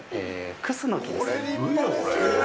クスノキです。